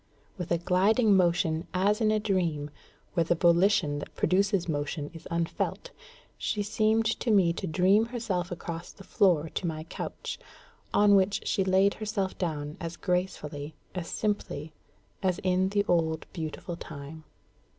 With a gliding motion as in a dream, where the volition that produces motion is unfelt, she seemed to me to dream herself across the floor to my couch, on which she laid herself down as gracefully, as simply, as in the old beautiful time.